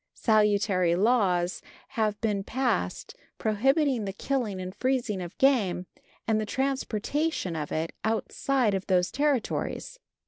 Salutary laws have been passed prohibiting the killing and freezing of game, and the transportation of it outside of those territories.